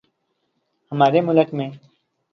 ہمارے ملک میں